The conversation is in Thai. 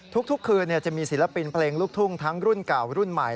ทุกคืนจะมีศิลปินเพลงลูกทุ่งทั้งรุ่นเก่ารุ่นใหม่